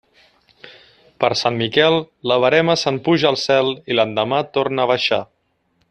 Per Sant Miquel, la verema se'n puja al cel, i l'endemà torna a baixar.